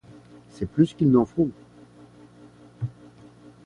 C'est plus qu'il n'en faut.